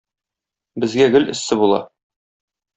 Безгә гел эссе була.